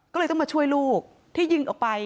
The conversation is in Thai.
ก็เลยต้องมาช่วยลูกที่ยิงออกไป